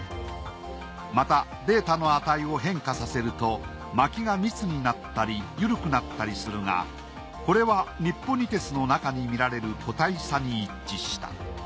またデータの値を変化させると巻きが密になったり緩くなったりするがこれはニッポニテスのなかに見られる個体差に一致した。